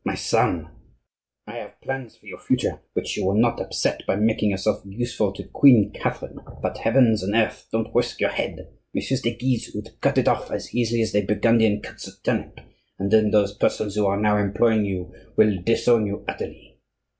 "My son, I have plans for your future which you will not upset by making yourself useful to Queen Catherine; but, heavens and earth! don't risk your head. Messieurs de Guise would cut it off as easily as the Burgundian cuts a turnip, and then those persons who are now employing you will disown you utterly."